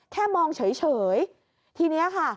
แค่มองเฉยทีนี้ค่ะ